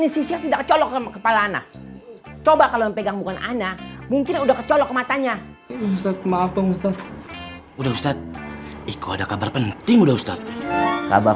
sampai jumpa di video selanjutnya